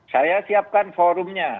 saya siapkan forumnya